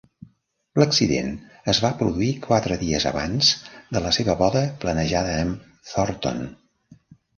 L"accident es va produir quatre dies abans de la seva boda planejada amb Thornton.